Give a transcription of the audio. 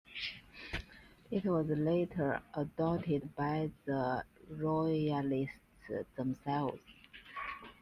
It was later adopted by the Royalists themselves.